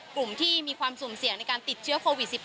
กลุ่มที่มีความสุ่มเสี่ยงในการติดเชื้อโควิด๑๙